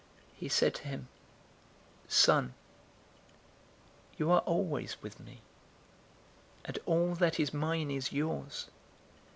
015:031 "He said to him, 'Son, you are always with me, and all that is mine is yours.